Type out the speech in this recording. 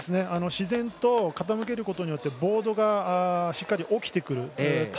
自然と傾けることでボードがしっかり起きてくる。